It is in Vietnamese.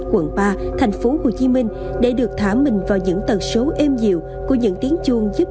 quận ba thành phố hồ chí minh để được thả mình vào những tần số êm dịu của những tiếng chuông giúp